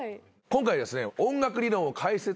今回ですね。